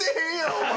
お前。